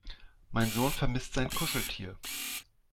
Mein Sohn vermisst sein Kuscheltier.